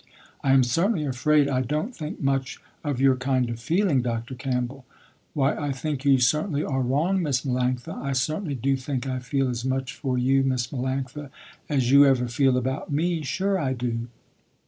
"I am certainly afraid I don't think much of your kind of feeling Dr. Campbell." "Why I think you certainly are wrong Miss Melanctha I certainly do think I feel as much for you Miss Melanctha, as you ever feel about me, sure I do.